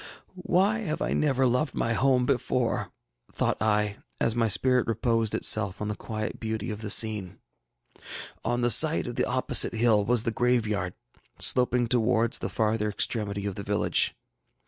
ŌĆ£ŌĆśWhy have I never loved my home before? ŌĆÖ thought I, as my spirit reposed itself on the quiet beauty of the scene. ŌĆ£On the side of the opposite hill was the graveyard, sloping towards the farther extremity of the village.